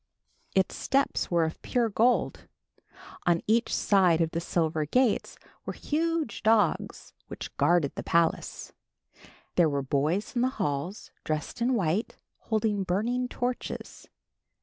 Its steps were of pure gold. On each side of the silver gates were huge dogs which guarded the palace. There were boys in the halls dressed in white, holding burning torches.